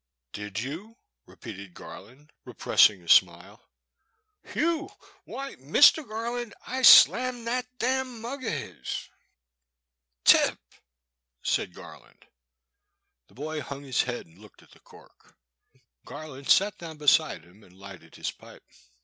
Did you?" repeated Garland, repressing a smile. ''Heu! Why, Mister Garland, I slammed that d — n mug of his *' 236 The Boy^s Sister. ''Tip!" said Garland. The boy hung his head and looked at the cork. Garland sat down beside him and lighted his pipe.